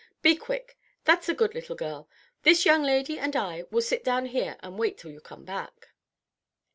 Be quick, that's a good little girl! This young lady and I will sit down here and wait till you come back."